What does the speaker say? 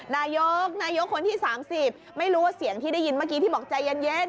นายกนายกคนที่๓๐ไม่รู้ว่าเสียงที่ได้ยินเมื่อกี้ที่บอกใจเย็น